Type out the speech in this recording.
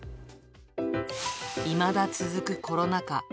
いまだ続くコロナ禍。